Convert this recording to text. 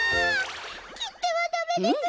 きってはダメです。